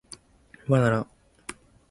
ばなな